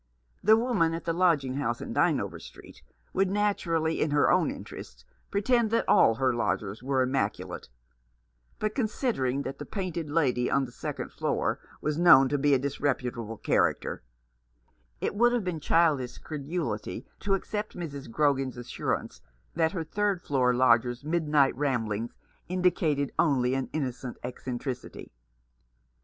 The woman at the lodging house in Dynevor Street would naturally, in her own interests, pretend that all her lodgers were immaculate ; but, considering that the painted lady on the second floor was known to be a disreputable character, it would have been childish credulity to accept Mrs. Grogan's assurance that her third floor lodger's midnight ramblings indicated only an innocent eccentricity.